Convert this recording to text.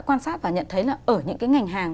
quan sát và nhận thấy là ở những cái ngành hàng